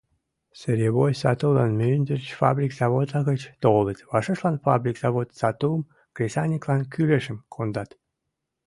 Сырьевой сатулан мӱндырч, фабрик-заводла гыч, толыт, вашешлан фабрик-завод сатум, кресаньыклан кӱлешым, кондат.